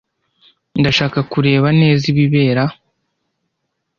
Ndashaka kureba neza ibibera.